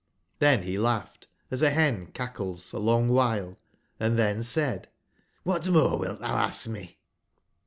"j^trben be laugbed, as a ben cachles,a long wbile, & tben said: '*^bat more wilt tbou ask me?"